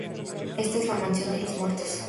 Ésta es la Mansión de los Muertos.